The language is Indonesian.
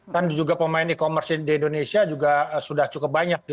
kan juga pemain e commerce di indonesia juga sudah cukup banyak